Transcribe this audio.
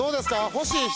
欲しい人。